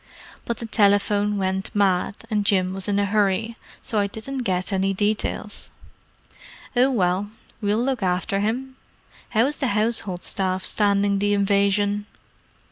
But the telephone went mad, and Jim was in a hurry, so I didn't get any details." "Oh, well, we'll look after him. How is the household staff standing the invasion?"